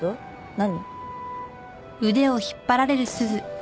何？